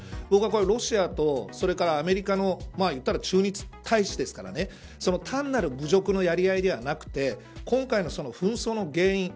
僕はロシアとアメリカの駐日大使ですから単なる侮辱のやり合いではなくて今回の紛争の原因